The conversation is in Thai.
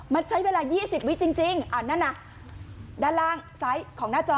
มันใช้เวลายี่สิบวิจริงจริงอ่ะนั่นน่ะด้านล่างซ้ายของหน้าจอ